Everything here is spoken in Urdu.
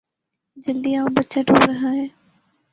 جلدی آو؛ بچہ ڈوب رہا ہے